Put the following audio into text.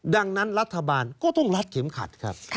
ดังนั้นรัฐบาลก็ต้องรัดเข็มขัดครับ